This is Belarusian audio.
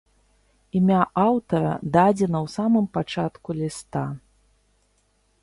Імя аўтара дадзена ў самым пачатку ліста.